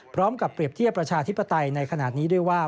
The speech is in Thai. เปรียบเทียบประชาธิปไตยในขณะนี้ด้วยว่า